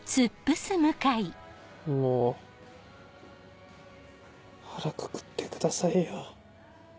もう腹くくってくださいよ。